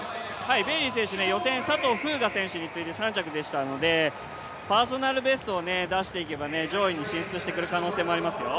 ベイリー選手、予選、佐藤風雅選手に次いで３着でしたのでパーソナルベストを出していけば上位に進出してくる可能性もありますよ。